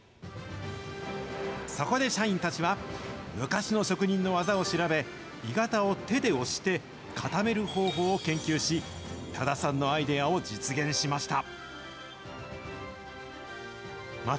そこで社員たちは、昔の職人の技を調べ、鋳型を手で押して、固める方法を研究し、多田さんのアイデアを実現しました。